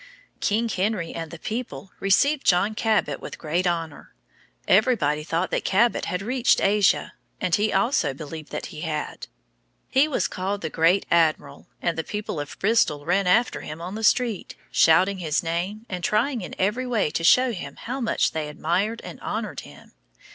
King Henry and the people received John Cabot with great honor. Everybody thought that Cabot had reached Asia, and he also believed that he had. He was called the "Great Admiral," and the people of Bristol ran after him on the street, shouting his name and trying in every way to show him how much they admired and honored him.